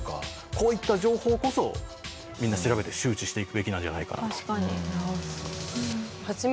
こういった情報こそみんな調べて周知していくべきなんじゃないかなと。